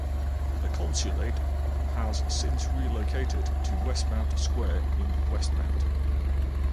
The consulate has since relocated to Westmount Square in Westmount.